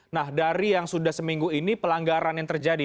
nah dari yang sudah seminggu ini pelanggaran yang terjadi